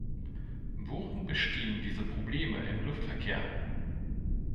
Worin bestehen diese Probleme im Luftverkehr?